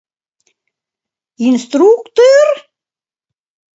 Инстру-укты-ыр?!